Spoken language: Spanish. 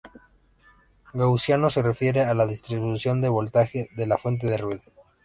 Gaussiano se refiere a la distribución de voltaje de la fuente de ruido.